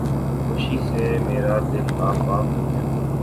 خوشی سے میرا دل باغ باغ ہو گیا